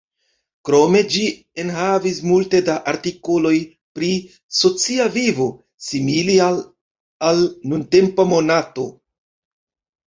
Krome ĝi enhavis multe da artikoloj pri "socia vivo", simile al al nuntempa Monato.